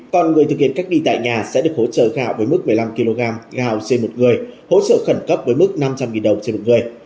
còn người thực hiện cách ly tại nhà sẽ được hỗ trợ gạo với mức một mươi năm kg gạo trên một người hỗ trợ khẩn cấp với mức năm trăm linh đồng trên một người